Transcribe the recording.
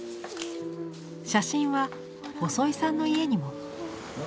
写真は細井さんの家にも。